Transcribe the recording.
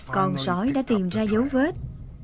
còn sỏi đã tìm ra dấu vết